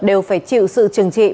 đều phải chịu sự trừng trị